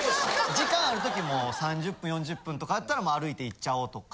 時間ある時もう３０分４０分とかやったら歩いていっちゃおうとか。